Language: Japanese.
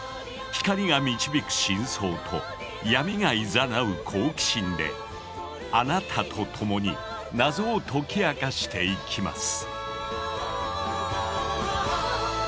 光が導く真相と闇がいざなう好奇心であなたと共に謎を解き明かしていきます。